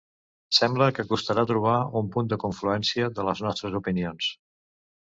Sembla que costarà trobar un punt de confluència de les nostres opinions.